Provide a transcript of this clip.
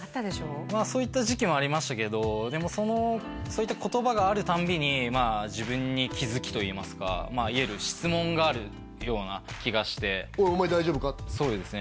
そういった時期もありましたけどでもそういった言葉があるたんびに自分に気づきといいますか質問があるような気がして「おいお前大丈夫か？」とそうですね